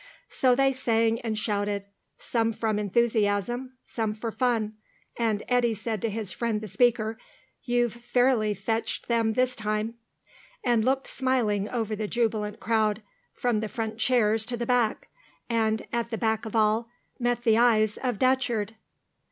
So they sang and shouted, some from enthusiasm, some for fun, and Eddy said to his friend the speaker, "You've fairly fetched them this time," and looked smiling over the jubilant crowd, from the front chairs to the back, and, at the back of all, met the eyes of Datcherd.